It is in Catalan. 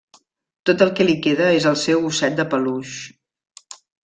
Tot el que li queda és el seu osset de peluix.